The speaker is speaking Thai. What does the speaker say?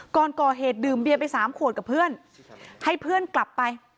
ก่อนก่อเหตุดื่มเบียร์ไปสามขวดกับเพื่อนให้เพื่อนกลับไป